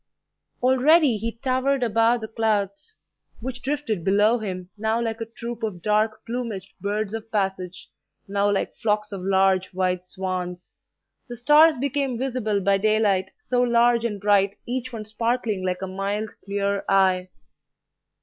Already he towered above the clouds, which drifted below him, now like a troop of dark plumaged birds of passage, now like flocks of large, white swans. The stars became visible by daylight, so large and bright, each one sparkling like a mild, clear eye.